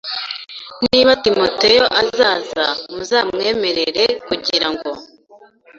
Niba Timoteyo azaza muzamwemere kugira ngo